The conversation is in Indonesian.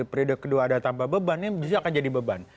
kedepan ide ide kedua ada tambah beban ini akan jadi beban